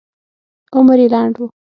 عمر یې لنډ و.